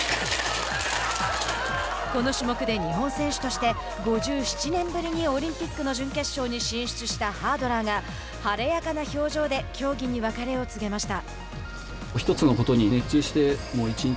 この種目で日本選手として５７年ぶりにオリンピックの準決勝に進出したハードラーが晴れやかな表情で競技に別れを告げました。